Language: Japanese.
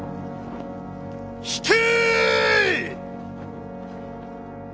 引け！